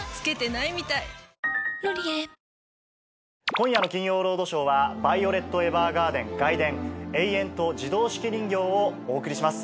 今夜の『金曜ロードショー』は『ヴァイオレット・エヴァーガーデン外伝−永遠と自動手記人形−』をお送りします。